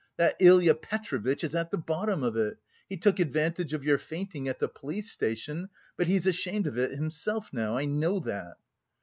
That Ilya Petrovitch is at the bottom of it! He took advantage of your fainting at the police station, but he is ashamed of it himself now; I know that..."